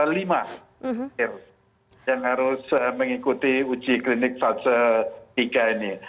lima yang harus mengikuti uji klinik fase tiga ini